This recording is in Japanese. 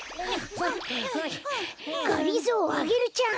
がりぞーアゲルちゃん